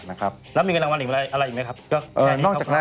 แล้วก็มีการรางวัลอีกบางอย่างว่าไง